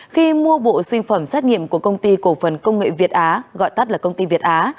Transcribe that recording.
khi mua bộ sinh phẩm xét nghiệm của công ty cổ phần công nghệ việt á gọi tắt là công ty việt á